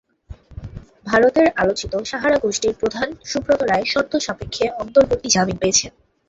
ভারতের আলোচিত সাহারা গোষ্ঠীর প্রধান সুব্রত রায় শর্ত সাপেক্ষে অন্তর্বর্তী জামিন পেয়েছেন।